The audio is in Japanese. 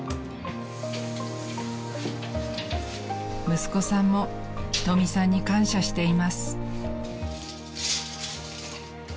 ［息子さんも瞳さんに感謝しています］